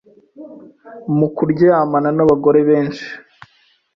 mu kuryamana n’abagore benshi,